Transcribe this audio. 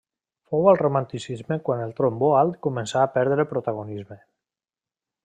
Fou al romanticisme quan el trombó alt començà a perdre protagonisme.